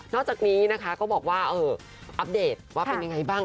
นอกจากนี้ก็บอกว่าอัปเดตว่าเป็นยังไงบ้าง